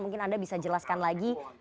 mungkin anda bisa jelaskan lagi